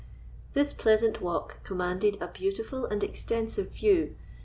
This pleasant walk commanded a beautiful and extensive view.